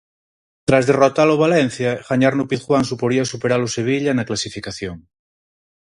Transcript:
Tras derrotar o Valencia, gañar no Pizjuán suporía superar o Sevilla na clasificación.